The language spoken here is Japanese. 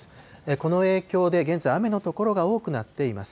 この影響で、現在、雨の所が多くなっています。